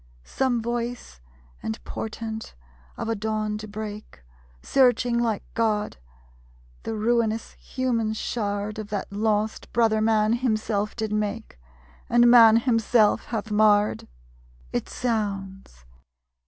Some voice and portent of a dawn to break? Searching like God, the ruinous human shard Of that lost Brother man Himself did make, And Man himself hath marred? It sounds!